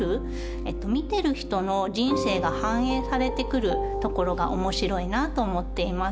見てる人の人生が反映されてくるところが面白いなと思っています。